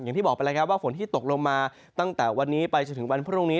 อย่างที่บอกไปแล้วครับว่าฝนที่ตกลงมาตั้งแต่วันนี้ไปจนถึงวันพรุ่งนี้